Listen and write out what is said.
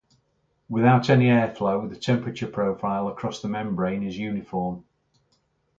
Without any airflow, the temperature profile across the membrane is uniform.